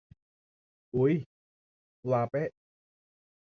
อุ๊ย ปลาเป๊ะ